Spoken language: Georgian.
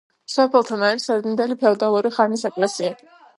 სოფელთან არის ადრინდელი ფეოდალური ხანის ეკლესია.